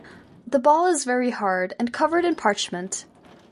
The ball is very hard, and covered in parchment.